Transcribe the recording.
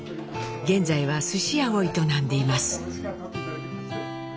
現在はすし屋を営んでいます。